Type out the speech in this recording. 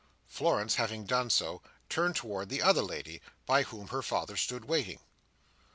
Florence having done so, turned towards the other lady, by whom her father stood waiting.